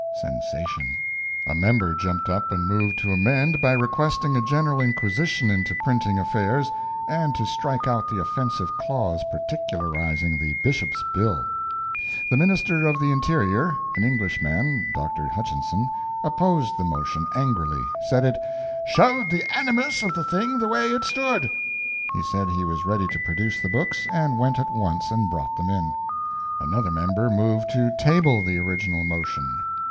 [Sensation.] A member jumped up and moved to amend by requesting a general inquisition into printing affairs, and to strike out the offensive clause particularizing the Bishop's bill. The Minister of the Interior (an Englishman—Dr. Hutchinson) opposed the motion, angrily—said it "showed the animus of the thing the way it stood." He said he was ready to produce the books, and went at once and brought them in. Another member moved to table the original motion.